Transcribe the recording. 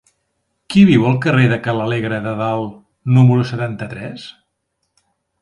Qui viu al carrer de Ca l'Alegre de Dalt número setanta-tres?